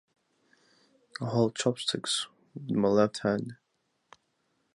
I hold chopsticks with my left hand.